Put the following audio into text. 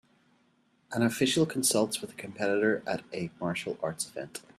An official consults with a competitor at a martial arts event.